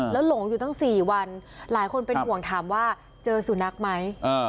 แล้วหลงอยู่ตั้ง๔วันหลายคนเป็นห่วงถามว่าเจอสุนัขไหม